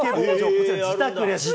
こちら自宅です。